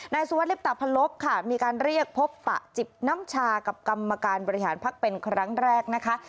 สวัสดิบตะพันลบค่ะมีการเรียกพบปะจิบน้ำชากับกรรมการบริหารพักเป็นครั้งแรกนะคะ